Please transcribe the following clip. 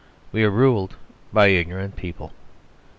We are ruled by ignorant people.